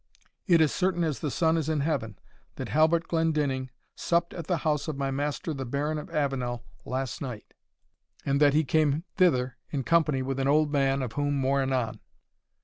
It is certain as the sun is in heaven, that Halbert Glendinning supped at the house of my master the Baron of Avenel last night, and that he came thither in company with an old man, of whom more anon."